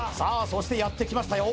そしてやってきましたよ